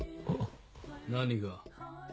何が？